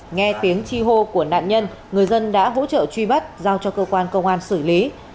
nghe tiếng chi hô của nạn nhân người dân đã hỗ trợ truy bắt giao cho cơ quan công an xử lý